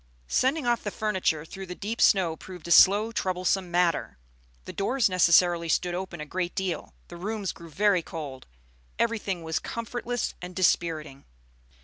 Sending off the furniture through the deep snow proved a slow and troublesome matter. The doors necessarily stood open a great deal, the rooms grew very cold, everything was comfortless and dispiriting.